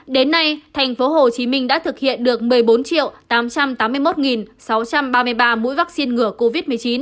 đến nay tp hcm đã thực hiện được một mươi bốn tám trăm tám mươi một sáu trăm ba mươi ba mũi vaccine ngừa covid một mươi chín